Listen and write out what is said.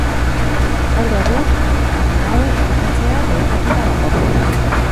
Gaur egun, animalia hauek elikatzea debekatuta dago.